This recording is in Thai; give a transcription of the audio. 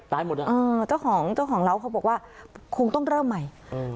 หมดอ่ะเออเจ้าของเจ้าของเล้าเขาบอกว่าคงต้องเริ่มใหม่อืม